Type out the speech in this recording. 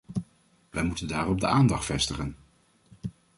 Wij moeten daarop de aandacht vestigen.